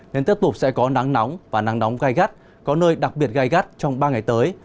nên tiếp tục sẽ có nắng nóng và nắng nóng gai gắt có nơi đặc biệt gai gắt trong ba ngày tới